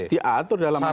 diatur dalam adrt